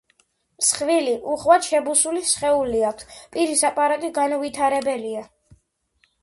მსხვილი, უხვად შებუსული სხეული აქვთ, პირის აპარატი განუვითარებელია.